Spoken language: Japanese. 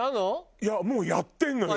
いやもうやってるのよ